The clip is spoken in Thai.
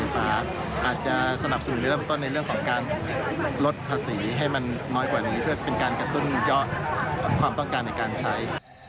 เป็นการกระตุ้นยอดความต้องการในการใช้